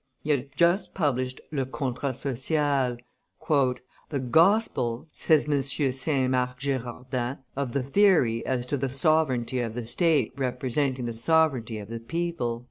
He had just published Le Contrat Social, "The Gospel,"; says M. Saint Marc Girardin, "of the theory as to the sovereignty of the state representing the sovereignty of the people."